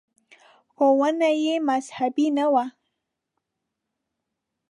• ښوونې یې مذهبي نه وې.